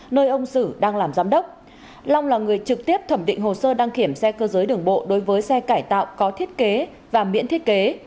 nơi ông sử đang làm giám đốc long là người trực tiếp thẩm định hồ sơ đăng kiểm xe cơ giới đường bộ đối với xe cải tạo có thiết kế và miễn thiết kế